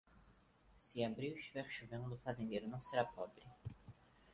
Se abril estiver chovendo, o fazendeiro não será pobre.